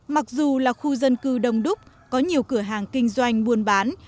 mặc dù là khu dân cư đông đúc có nhiều cửa hàng kinh doanh buôn bán